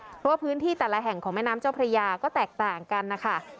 เพราะว่าพื้นที่แต่ละแห่งของแม่น้ำเจ้าพระยาก็แตกต่างกันนะคะ